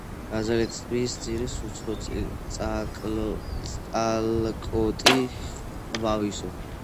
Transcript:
ბაზალეთისა ტბის ძირას უცხო წალკოტი ჰყვავისო.